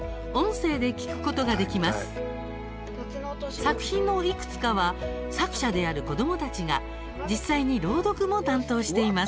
作品のいくつかは作者である子どもたちが実際に朗読も担当しています。